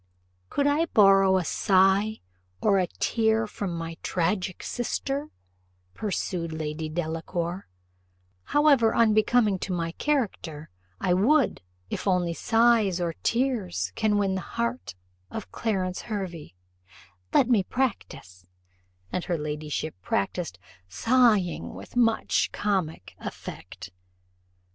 "Could I borrow a sigh, or a tear, from my tragic sister," pursued Lady Delacour, "however unbecoming to my character, I would, if only sighs or tears can win the heart of Clarence Hervey: let me practise" and her ladyship practised sighing with much comic effect.